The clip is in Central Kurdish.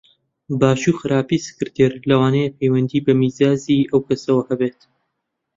باشی و خراپی سکرتێر لەوانەیە پەیوەندی بە میزاجی ئەو کەسەوە هەبێت